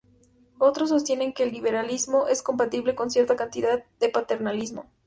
Otros sostienen que el liberalismo es compatible con cierta cantidad de paternalismo.